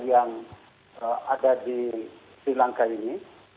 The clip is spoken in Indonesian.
yang ada di sri lanka ini